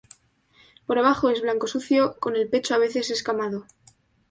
Por abajo es blanco sucio, con el pecho a veces escamado.